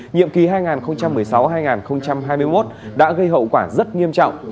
nhiệm kỳ hai nghìn một mươi sáu hai nghìn hai mươi một đã gây hậu quả rất nghiêm trọng